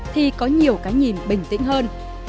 thì có nhiều cái nhìn bình tĩnh hơn